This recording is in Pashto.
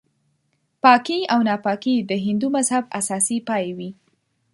پاکي او ناپاکي د هندو مذهب اساسي پایې وې.